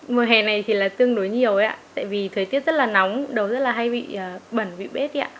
mùa hè này thì là tương đối nhiều ấy á tại vì thời tiết rất là nóng đầu rất là hay bị bẩn bị bết ấy á